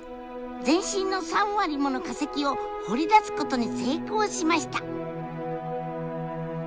全身の３割もの化石を掘り出すことに成功しました！